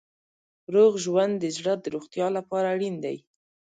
روغ ژوند د زړه د روغتیا لپاره اړین دی.